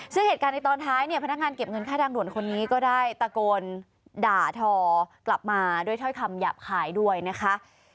ซึ่งเหตุการณ์ในตอนท้ายเนี่ยพนักงานเก็บเงินค่าทางด่วนคนนี้ก็ได้ตะโกนด่าทอกลับมาด้วยถ้อยคำหยาบคายด้วยนะคะ